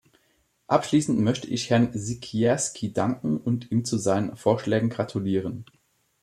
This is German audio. Abschließend möchte ich Herrn Sikierski danken und ihm zu seinen Vorschlägen gratulieren.